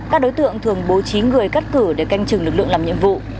các đối tượng thường bố trí người cắt cử để canh chừng lực lượng làm nhiệm vụ